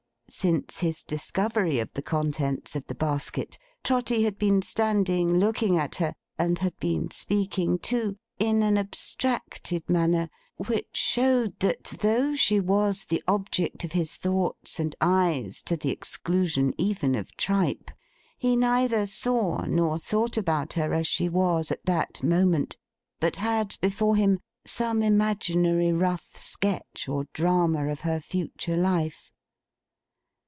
Since his discovery of the contents of the basket, Trotty had been standing looking at her—and had been speaking too—in an abstracted manner, which showed that though she was the object of his thoughts and eyes, to the exclusion even of tripe, he neither saw nor thought about her as she was at that moment, but had before him some imaginary rough sketch or drama of her future life.